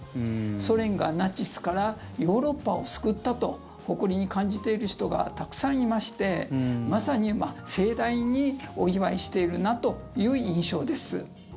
ソ連がナチスからヨーロッパを救ったと誇りに感じている人がたくさんいましてまさに盛大にお祝いしているなという印象です。